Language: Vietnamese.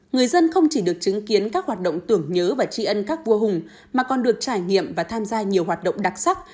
người dân không chỉ được chứng kiến các hoạt động tưởng nhớ và tri ân các vua hùng mà còn được trải nghiệm và tham gia nhiều hoạt động đặc sắc